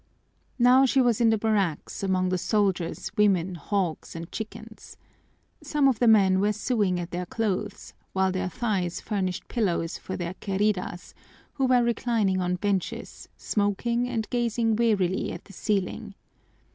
Now she was in the barracks among the soldiers, women, hogs, and chickens. Some of the men were sewing at their clothes while their thighs furnished pillows for their queridas, who were reclining on benches, smoking and gazing wearily at the ceiling.